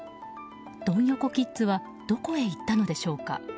ドン横キッズはどこへ行ったのでしょうか。